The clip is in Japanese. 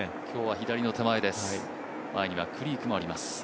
今日は左の手前前にはクリークもあります。